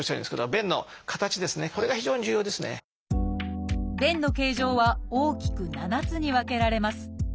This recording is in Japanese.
便の形状は大きく７つに分けられます。